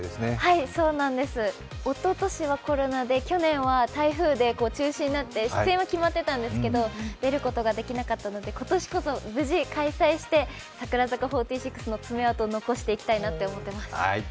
はい、おととしはコロナで去年は台風で中止になって、出演は決まってたんですけど出ることができなかったので今年こそ、無事、開催して櫻坂４６の爪痕を残していきたいと思っています。